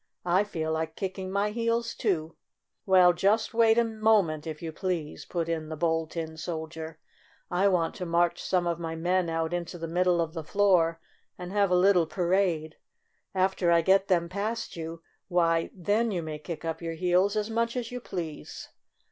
"I feel like kicking my heels, too." "Well, just wait a moment, if you please," put in the Bold Tin Soldier. "I want to march some of my men out into the middle of the floor and have a little parade. After I get them past you, why, then you may kick up your heels as much as you please."